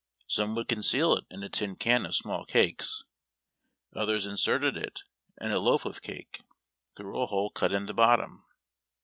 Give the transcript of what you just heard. Some would conceal it in a tin can of small cakes ; others inserted it in a loaf of cake, through a hole cut in the bottom.